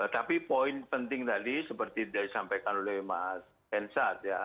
tapi poin penting tadi seperti disampaikan oleh mas hensat ya